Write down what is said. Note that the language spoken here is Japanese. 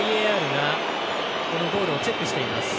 ＶＡＲがゴールをチェックしています。